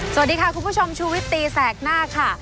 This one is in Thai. สวัสดีค่ะคุณผู้ชมชูวิตตีแสกหน้าค่ะ